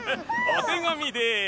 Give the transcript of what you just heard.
おてがみです。